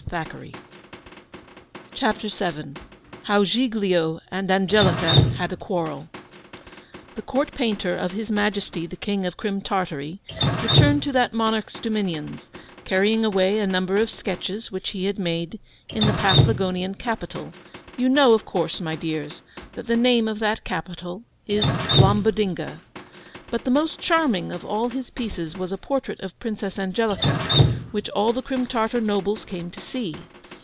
the frame contained a LOOKING GLASS! and Angelica saw her own face! The Court Painter of his Majesty the King of Crim Tartary returned to that monarch's dominions, carrying away a number of sketches which he had made in the Paflagonian capital (you know, of course, my dears, that the name of that capital is Blombodinga); but the most charming of all his pieces was a portrait of the Princess Angelica, which all the Crim Tartar nobles came to see.